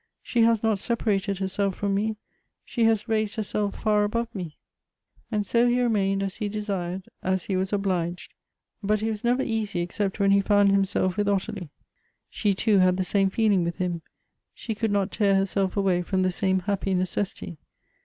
She has not separated herself from me ; she has raised herself far above me." 308 Goethe's And so he remained as he desired, as he was obliged ; but he was never easy exdept when he found himself with Ottilie. She, too, had the same feeling with him ; she could not tear herself away from the same hap])y necessity.